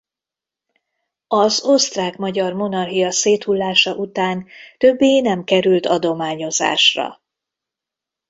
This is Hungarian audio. Az Osztrák–Magyar Monarchia széthullása után többé nem került adományozásra.